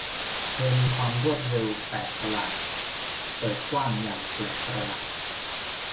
เธอมีความรวดเร็วแปลกประหลาดเปิดกว้างอย่างแปลกประหลาด